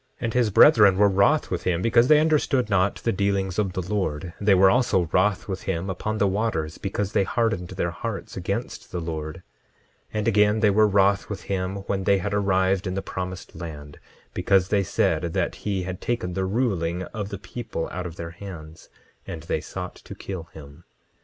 10:14 And his brethren were wroth with him because they understood not the dealings of the Lord; they were also wroth with him upon the waters because they hardened their hearts against the Lord. 10:15 And again, they were wroth with him when they had arrived in the promised land, because they said that he had taken the ruling of the people out of their hands; and they sought to kill him.